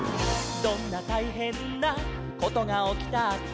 「どんなたいへんなことがおきたって」